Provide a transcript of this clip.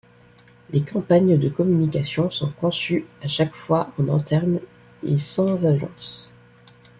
Les campagnes de communication sont conçues à chaque fois en interne et sans agence.